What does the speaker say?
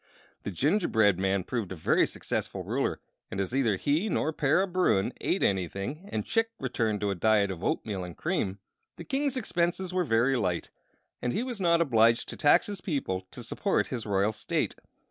The gingerbread man proved a very successful ruler; and as neither he nor Para Bruin ate anything and Chick returned to a diet of oatmeal and cream, the King's expenses were very light, and he was not obliged to tax his people to support his royal state.